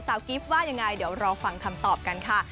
เสาคิฟต์ว่าอย่างไรเดี๋ยวเราฟังคำตอบกันค่ะ